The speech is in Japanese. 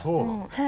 はい。